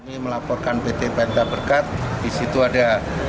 ini melaporkan pt penta berkat disitu ada